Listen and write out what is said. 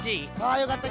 あよかった。